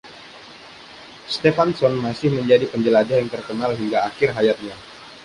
Stefansson masih menjadi penjelajah yang terkenal hingga akhir hayatnya.